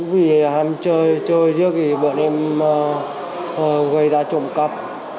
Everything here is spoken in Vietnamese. vì ham chơi trước thì bọn em gây ra trộm cắp